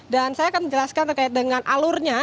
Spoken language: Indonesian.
dan saya akan menjelaskan terkait dengan alurnya